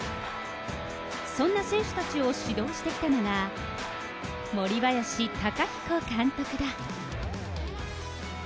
そんな選手たちを指導してきたのが、森林貴彦監督だ。